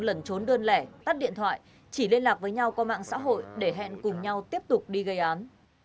lẩn trốn đơn lẻ tắt điện thoại chỉ liên lạc với nhau qua mạng xã hội để hẹn cùng nhau tiếp tục đi gây án